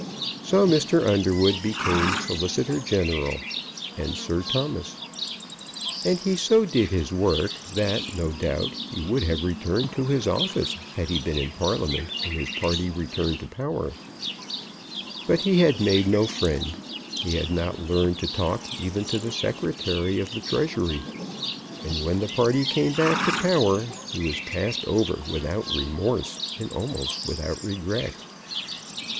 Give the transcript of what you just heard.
So Mr. Underwood became Solicitor General and Sir Thomas; and he so did his work that no doubt he would have returned to his office had he been in Parliament when his party returned to power. But he had made no friend, he had not learned to talk even to the Secretary of the Treasury; and when the party came back to power he was passed over without remorse, and almost without a regret.